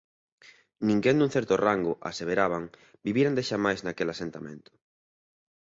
Ninguén dun certo rango, aseveraban, vivira endexamais naquel asentamento.